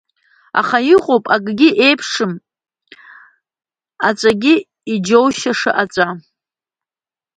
Аха иҟоуп акгьы иеиԥшым аҵәагьы иџьоушьаша аҵәа.